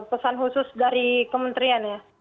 pesan khusus dari kementerian ya